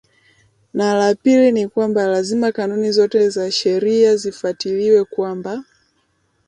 na la pili ni kwamba lazima kanuni zote za sheria zifwatiliwe kwamba